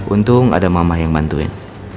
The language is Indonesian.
untung ada mamah yang bantuin